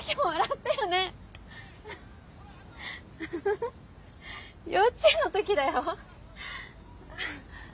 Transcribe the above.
フフフ幼稚園の時だよ。